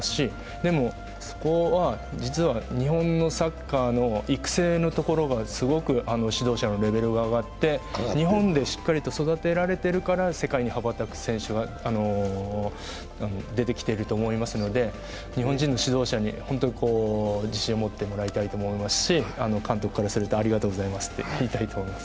でも、そこは実は、日本のサッカーの育成のところがすごく指導者のレベルが上がって、日本でしっかり育てられてるから世界に羽ばたく選手が出てきてると思いますので日本人の指導者に自信を持ってもらいたいと思いますし監督からすると、ありがとうございますと言いたいと思います。